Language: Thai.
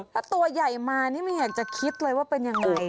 ถ้าตัวใหญ่มามันอยากจะคิดเลยว่าเป็นอย่างไร